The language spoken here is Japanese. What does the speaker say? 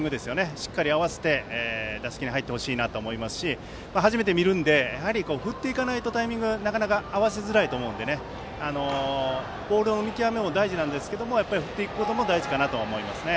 しっかり合わせて打席に入ってほしいと思いますし初めて見るので振っていかないとタイミングがなかなか合わせづらいと思うのでボールの見極めも大事ですが振っていくことも大事ですね。